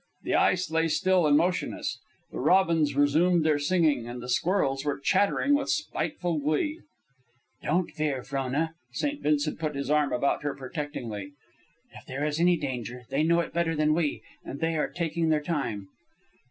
The ice lay still and motionless. The robins resumed their singing, and the squirrels were chattering with spiteful glee. "Don't fear, Frona." St. Vincent put his arm about her protectingly. "If there is any danger, they know it better than we, and they are taking their time."